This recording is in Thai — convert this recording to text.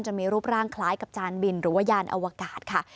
จะมีรูปร่างคล้ายกับจานบินหรือว่ายานอวกาศค่ะ